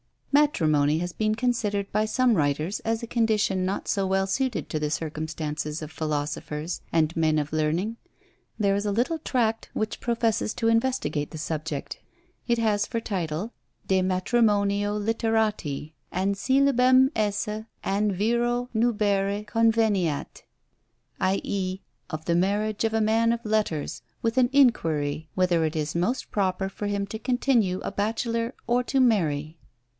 Matrimony has been considered by some writers as a condition not so well suited to the circumstances of philosophers and men of learning. There is a little tract which professes to investigate the subject. It has for title, De Matrimonio Literati, an coelibem esse, an verò nubere conveniat, i.e., of the Marriage of a Man of Letters, with an inquiry whether it is most proper for him to continue a bachelor, or to marry?